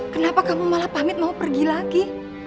kenapa kamu malah pamit mau pergi lagi